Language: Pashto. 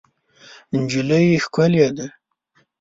نجلۍ ښکلې ده.